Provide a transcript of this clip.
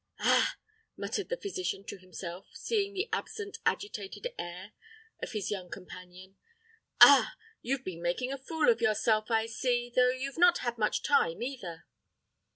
"Ah!" muttered the physician to himself, seeing the absent agitated air of his young companion; "ah! you've been making a fool of yourself, I see, though you've not had much time either."